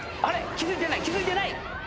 気付いていない気付いていない。